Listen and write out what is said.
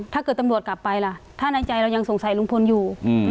ถ้าเกิดตำรวจกลับไปล่ะถ้าในใจเรายังสงสัยลุงพลอยู่